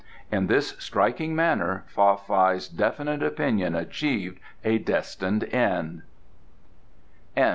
In this striking manner Fa Fai's definite opinion achieved a destined end.